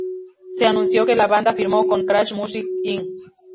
Se anunció que la banda firmó con Crash Music Inc.